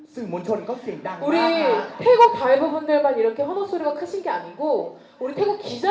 สื่อมนต์ชนก็เสียงดังมากค่ะ